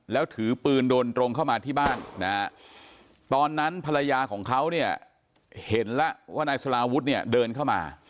แล้วถือปืนโดนตรงเข้ามาที่บ้านนะฮะตอนนั้นภรรยาของเขาเนี่ยเห็นแล้วว่านายสลาวุฒิเนี่ยเดินเข้ามา